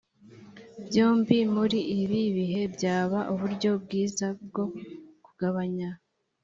byombi muri ibi bihe bwaba uburyo bwiza bwo kugabanya